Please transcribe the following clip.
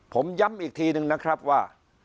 ผมย้ำอีกทีนึงนะครับว่า